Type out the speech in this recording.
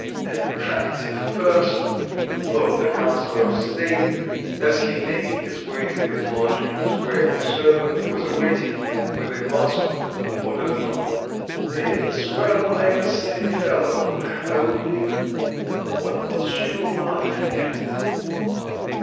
"An attractive person," thought the counsellor of state as he made his way to his lodgings, where his servant was awaiting him with a glass of opodeldoc: "It's well I'm a steady fellow only, what was she laughing at?"